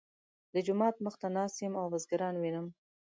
د جومات مخ ته ناست یم او بزګران وینم.